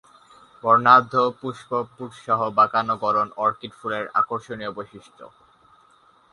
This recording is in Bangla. বর্ণাঢ্য পুষ্পপুটসহ বাঁকানো গড়ন অর্কিড ফুলের আকর্ষণীয় বৈশিষ্ট্য।